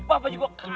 bapak juga kangen